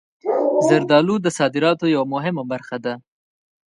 زردالو د صادراتو یوه مهمه برخه ده.